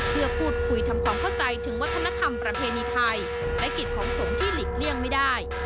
เพื่อพูดคุยทำความเข้าใจถึงวัฒนธรรมประเพณีไทยและกิจของสงฆ์ที่หลีกเลี่ยงไม่ได้